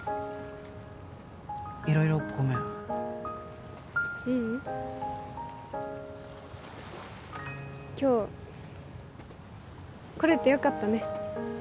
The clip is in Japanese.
色々ごめんううん今日来れてよかったね